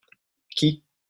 Qui ?